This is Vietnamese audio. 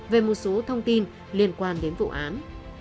về một số thông tin liên quan đến vụ án